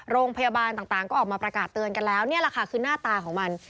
โรงพยาบาลต่างก็ออกมาประกาศเตือนกันแล้วนี่แหละค่ะคือหน้าตาของมัน